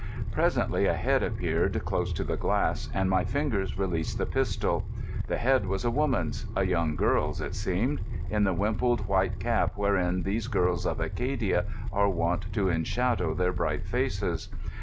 Presently a head appeared close to the glass, and my fingers released the pistol. The head was a woman's—a young girl's, it seemed—in the wimpled white cap wherein these girls of Acadia are wont to enshadow their bright faces.